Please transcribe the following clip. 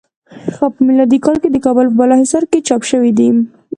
په میلادی کال د کابل په بالا حصار کې چاپ شوی دی.